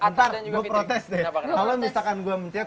ntar gue protes deh kalau misalkan gue